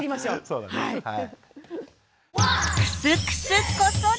はい。